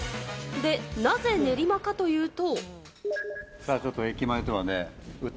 で、なぜ練馬かというと。